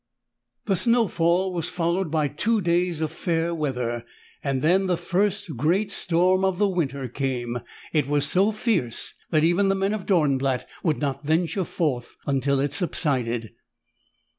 The snowfall was followed by two days of fair weather, then the first great storm of the winter came. It was so fierce that even the men of Dornblatt would not venture forth until it subsided.